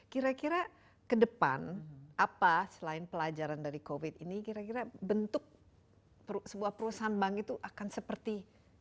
kira kira ke depan apa selain pelajaran dari covid ini kira kira bentuk sebuah perusahaan bank itu akan seperti